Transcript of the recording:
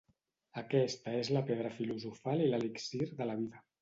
Aquesta és la Pedra filosofal i l'Elixir de la vida.